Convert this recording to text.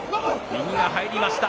右が入りました。